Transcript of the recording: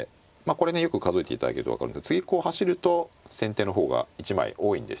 これねよく数えていただけると分かる次こう走ると先手の方が１枚多いんですよね。